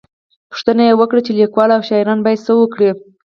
_پوښتنه يې وکړه چې ليکوال او شاعران بايد څه وکړي؟